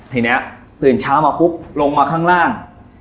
ทีนี้ตื่นเช้ามาปุ๊บลงมาข้างล่าง